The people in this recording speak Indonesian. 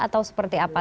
atau seperti apa